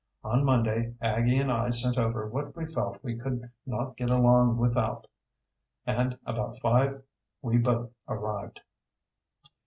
On Monday Aggie and I sent over what we felt we could not get along without, and about five we both arrived.